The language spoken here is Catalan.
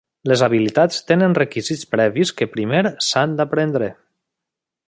Les habilitats tenen requisits previs que primer s'han d'aprendre.